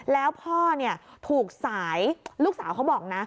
แล้วพ่อถูกสายลูกสาวเขาบอกนะ